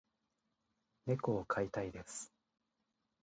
猫を飼いたいです。